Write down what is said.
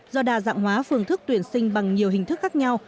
do đa dạng hóa phương thức tuyển sinh bằng nhiều hình thức khác nhau